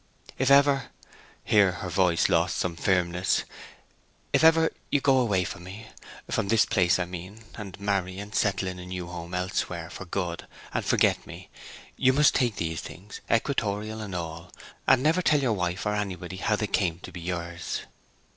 If ever' (here her voice lost some firmness), 'if ever you go away from me, from this place, I mean, and marry, and settle in a new home elsewhere for good, and forget me, you must take these things, equatorial and all, and never tell your wife or anybody how they came to be yours.'